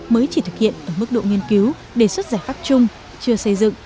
mới chỉ thực hiện ở mức độ nghiên cứu đề xuất giải pháp chung chưa xây dựng